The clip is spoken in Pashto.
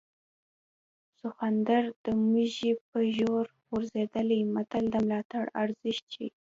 سخوندر د موږي په زور غورځي متل د ملاتړ ارزښت ښيي